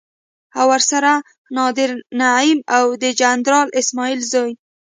او ورسره نادر نعيم او د جنرال اسماعيل زوی.